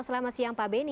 selamat siang pak benny